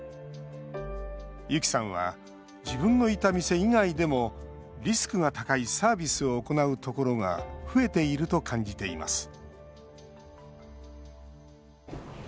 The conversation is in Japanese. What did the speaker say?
ユキさんは自分のいた店以外でもリスクが高いサービスを行うところが増えていると感じています